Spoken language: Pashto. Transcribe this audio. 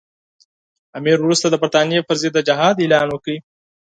امیر وروسته د برټانیې پر ضد د جهاد اعلان وکړ.